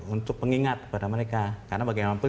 untuk pengingat kepada mereka karena bagaimanapun